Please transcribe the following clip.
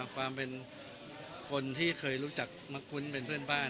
ความเป็นคนที่เคยรู้จักมักคุ้นเป็นเพื่อนบ้าน